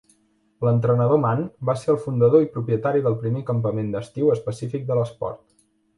L'entrenador Mann va ser el fundador i propietari del primer campament d'estiu específic de l'esport.